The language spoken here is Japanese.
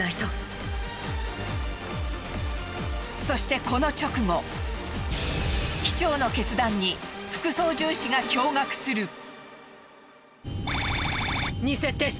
そしてこの直後機長の決断に副操縦士が驚愕する。